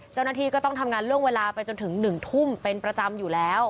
เจ้าหน้าที่ก็ต้องทำงานล่วงเวลาไปจนถึง๑ทุ่มเป็นประจำอยู่แล้ว